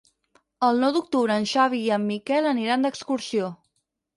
El nou d'octubre en Xavi i en Miquel aniran d'excursió.